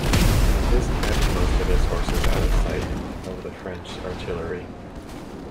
This kept most of his forces out of sight of the French artillery.